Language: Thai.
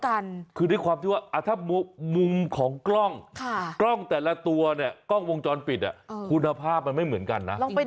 อะไรก็แล้วแต่ผ่านไปล่ามา